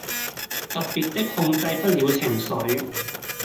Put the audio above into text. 特別的控制不了情緒